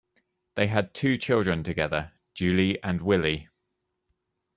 They had two children together, Julie and Willi.